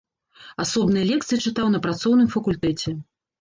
Асобныя лекцыі чытаў на працоўным факультэце.